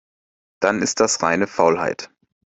Dann ist das reine Faulheit.